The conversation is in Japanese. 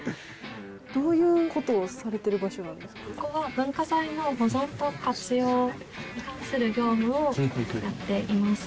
ここは文化財の保存と活用に関する業務をやっています。